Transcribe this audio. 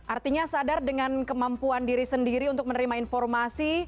artinya sadar dengan kemampuan diri sendiri untuk menerima informasi